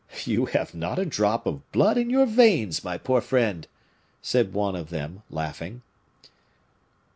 "You have not a drop of blood in your veins, my poor friend," said one of them, laughing.